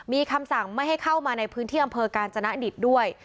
มีคำสั่งไม่ให้เข้ามาในพื้นที่อำเภอกาญจนดิตด้วย